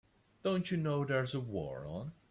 Don't you know there's a war on?